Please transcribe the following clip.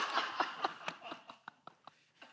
ハハハハ！